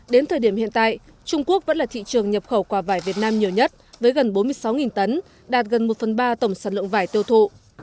đến thời điểm hiện tại trung quốc vẫn là thị trường nhập khẩu quả vải việt nam nhiều nhất với gần bốn mươi sáu tấn đạt gần một phần ba tổng sản lượng vải tiêu thụ